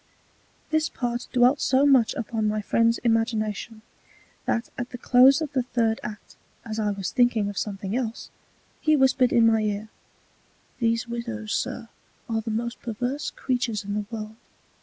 This Part dwelt so much upon my Friend's Imagination, that at the close of the Third Act, as I was thinking of something else, he whispered in my Ear, These Widows, Sir, are the most perverse Creatures in the World.